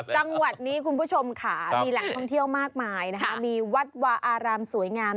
จังหวัดนี้คุณผู้ชมค่ะมีแหล่งท่องเที่ยวมากมายนะคะมีวัดวาอารามสวยงาม